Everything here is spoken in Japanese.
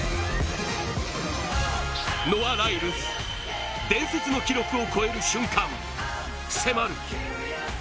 ノア・ライルズ、伝説の記録を超える瞬間、迫る。